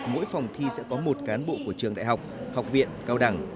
mỗi phòng thi sẽ có một cán bộ của trường đại học học viện cao đẳng